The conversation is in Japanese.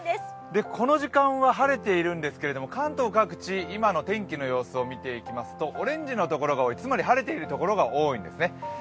この時間は晴れているんですけれども、関東各地今の天気の様子を見ていきますとオレンジの所が多い、つまり晴れている所が多いんですね。